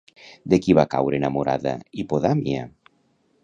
De qui va caure enamorada Hipodamia?